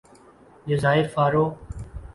جزائر فارو